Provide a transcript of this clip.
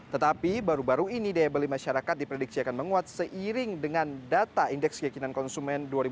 tetapi baru baru ini daya beli masyarakat diprediksi akan menguat seiring dengan data indeks keyakinan konsumen dua ribu dua puluh